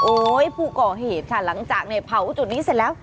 โอ้ยผู้ก่อเหตุหลังจากเนี่ยเผาจุดนี้เสร็จแล้ว